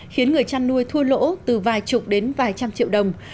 khiến người chăn nuôi thua lỗ từ vài chục đến vài trăm triệu đồng